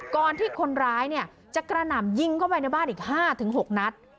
ก่อนที่คนร้ายจะกระหน่ำยิงเข้าไปในบ้านอีก๕๖นัด